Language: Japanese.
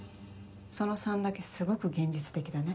その３だけすごく現実的だね。